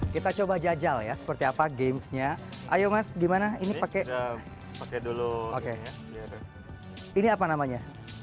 kita coba jajal ya seperti apa gamesnya ayo mas gimana ini pakai dulu oke ini apa namanya